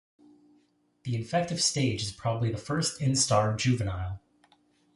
The infective stage is probably the first instar juvenile.